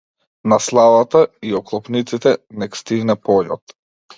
На славата, и оклопниците, нек стивне појот.